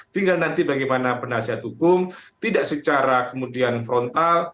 tinggal nanti bagaimana penasihat hukum tidak secara kemudian frontal